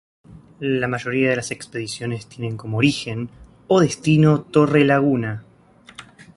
La mayoría de las expediciones tienen como origen o destino Torrelaguna.